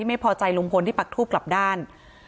ที่ไม่พอใจหลวงผนที่ปักทูกกลับด้าน